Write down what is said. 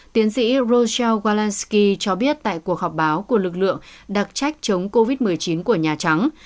tiến sĩ roseel walesky cho biết tại cuộc họp báo của lực lượng đặc trách chống covid một mươi chín của nhà trắng